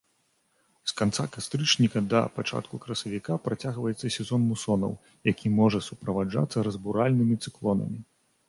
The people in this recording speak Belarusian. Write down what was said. З канца кастрычніка да пачатку красавіка працягваецца сезон мусонаў, які можа суправаджацца разбуральнымі цыклонамі.